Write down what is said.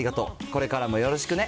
これからもよろしくね！